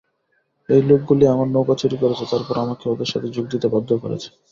এই লোকগুলো আমার নৌকা চুরি করেছে তারপর আমাকে ওদের সাথে যোগ দিতে বাধ্য করেছে।